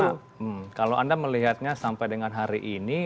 bu irma kalau anda melihatnya sampai dengan hari ini